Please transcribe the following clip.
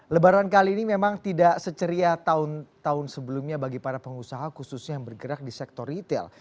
lebaran kali ini memang tidak seceria tahun tahun sebelumnya bagi para pengusaha khususnya yang bergerak di sektor retail